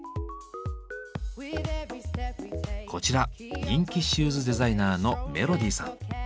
こちら人気シューズデザイナーのメロディさん。